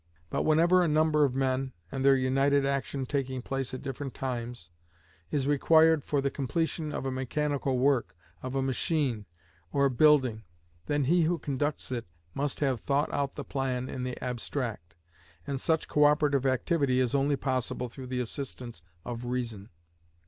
But whenever a number of men, and their united action taking place at different times, is required for the completion of a mechanical work, of a machine, or a building, then he who conducts it must have thought out the plan in the abstract, and such co operative activity is only possible through the assistance of reason.